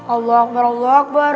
allah akbar allah akbar